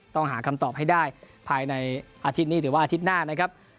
ต้องหาคำตอบให้ได้ภายในอาทิตย์นี้หรือว่าอาทิตย์หน้านะครับ